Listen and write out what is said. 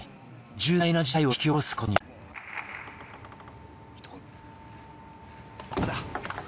重大な事態を引き起こすことになる。